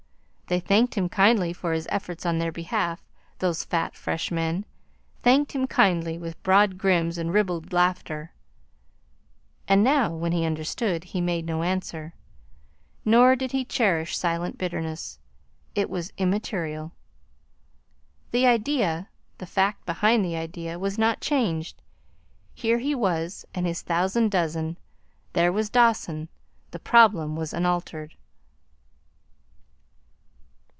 They thanked him kindly for his efforts in their behalf, those fat, fresh men, thanked him kindly, with broad grins and ribald laughter; and now, when he understood, he made no answer. Nor did he cherish silent bitterness. It was immaterial. The idea the fact behind the idea was not changed. Here he was and his thousand dozen; there was Dawson; the problem was unaltered.